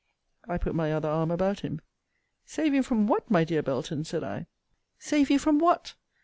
I put my other arm about him Save you from what, my dear Belton! said I; save you from what?